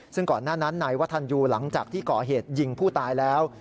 ซึ่งก่อนหน้านั้นนายวัฒนยูหลังจากที่ก่อเหตุยิงผู้ตายแล้ว